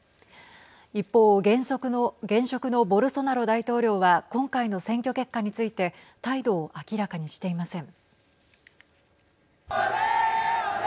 一方、現職のボルソナロ大統領は今回の選挙結果について態度を明らかにしていません。